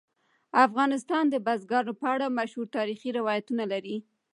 افغانستان د بزګانو په اړه مشهور تاریخي روایتونه لري.